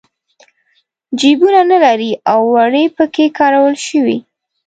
جېبونه نه لري او وړۍ پکې کارول شوي.